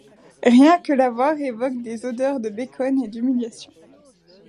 Rien que la voir évoque des odeurs de bacon et d’humiliation.